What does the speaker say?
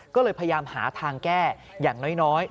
ก็เลยพยายามหาทางแก้อย่างน้อย